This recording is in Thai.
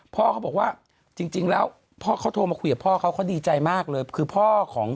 พ่อเขาบอกว่าจริงแล้วพ่อเขาโทรมาคุยกับพ่อเขาเขาดีใจมากเลยคือพ่อของ